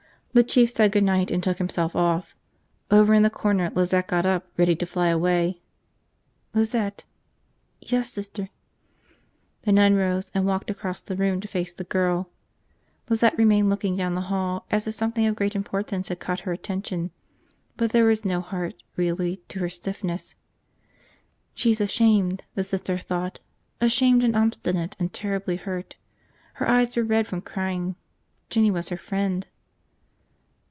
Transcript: The Chief said good night and took himself off. Over in the corner Lizette got up, ready to fly away. "Lizette." "Yes, 'Ster." The nun rose and walked across the room to face the girl. Lizette remained looking down the hall as if something of great importance had caught her attention, but there was no heart, really, to her stiffness. She's ashamed, the Sister thought, ashamed and obstinate and terribly hurt. Her eyes were red from crying. Jinny was her friend.